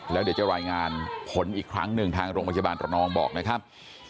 แล้วเดี๋ยวจะรายงานผลอีกครั้งหนึ่งทางโรงพยาบาลระนองบอกนะครับ